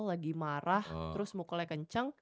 lagi marah terus mukulnya kenceng